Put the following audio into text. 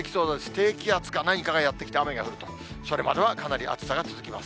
低気圧か何かがやって来て雨が降ると、それまではかなり暑さが続きます。